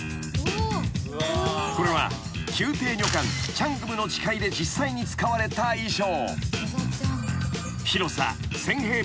［これは『宮廷女官チャングムの誓い』で実際に使われた衣装］